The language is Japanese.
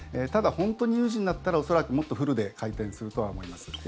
ただ、本当に有事になったら恐らくもっとフルで回転するとは思います。